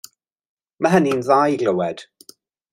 Mae hynny'n dda i glywed.